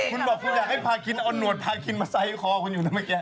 คุณบอกคุณอยากให้พากินเอาหนวดพากินมาใส่คอคุณอยู่นะเมื่อกี้